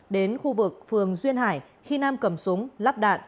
đến khu vực phường duyên hải khi nam cầm súng lắp đạn